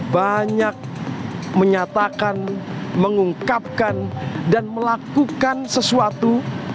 banyak menyatakan mengungkapkan dan melakukan sesuatu